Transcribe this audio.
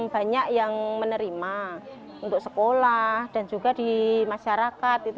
banyak yang menerima untuk sekolah dan juga di masyarakat